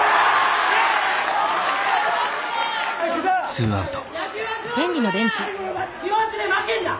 ツーアウト。